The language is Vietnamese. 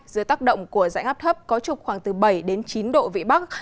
dưới tác động của dãy ngắp thấp có trục khoảng từ bảy đến chín độ vị bắc